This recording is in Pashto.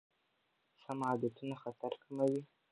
سم عادتونه خطر کموي.